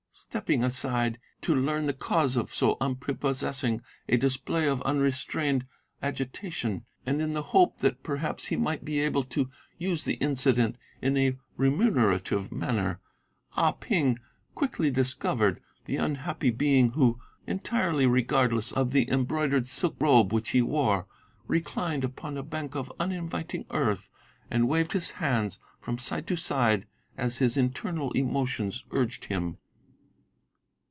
Stepping aside to learn the cause of so unprepossessing a display of unrestrained agitation, and in the hope that perhaps he might be able to use the incident in a remunerative manner, Ah Ping quickly discovered the unhappy being who, entirely regardless of the embroidered silk robe which he wore, reclined upon a raised bank of uninviting earth, and waved his hands from side to side as his internal emotions urged him.